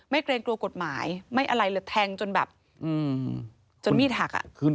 ไม่เกรงกลัวกฎหมายไม่อะไรเลยแทงจนมีถัก